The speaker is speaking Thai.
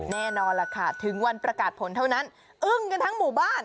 แน่นอนล่ะค่ะถึงวันประกาศผลเท่านั้นอึ้งกันทั้งหมู่บ้าน